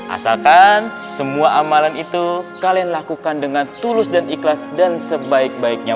asalkan semua amalan itu kalian lakukan dengan tulus dan ikhlas dan sebaik baiknya